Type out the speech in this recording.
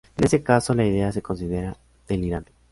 En ese caso, la idea se considera delirante.